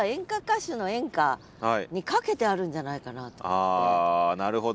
私はあなるほど。